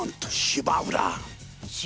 芝浦？